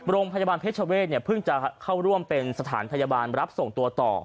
โรงพยาบาลเพชรเวศเนี่ยเพิ่งจะเข้าร่วมเป็นสถานพยาบาลรับส่งตัวต่อ